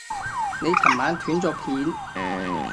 你尋晚斷咗片